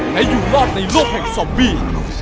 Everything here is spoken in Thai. และอยู่รอดในโลกแห่งซอมบี้